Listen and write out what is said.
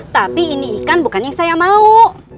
tapi ini ikan bukan yang saya mau